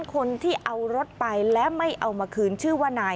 คนที่เอารถไปและไม่เอามาคืนชื่อว่านาย